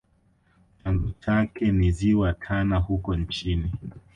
Chanzo chake ni ziwa tana huko nchini